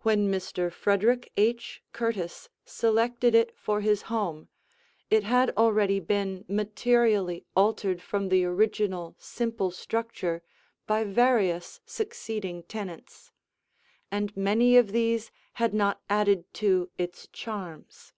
When Mr. Frederick H. Curtis selected it for his home, it had already been materially altered from the original simple structure by various succeeding tenants. And many of these had not added to its charms.